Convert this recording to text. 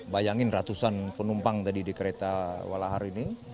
bayangin ratusan penumpang tadi di kereta walahar ini